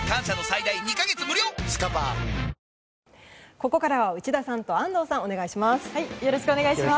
ここからは内田さんと安藤さん、お願いします。